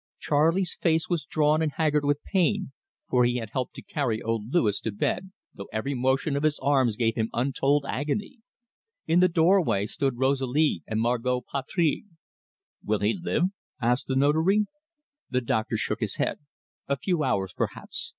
Charley's face was drawn and haggard with pain, for he had helped to carry old Louis to bed, though every motion of his arms gave him untold agony. In the doorway stood Rosalie and Margot Patry. "Will he live?" asked the Notary. The doctor shook his head. "A few hours, perhaps.